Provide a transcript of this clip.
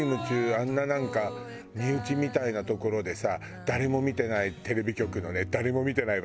あんななんか身内みたいなところでさ誰も見てないテレビ局のね誰も見てない番組で。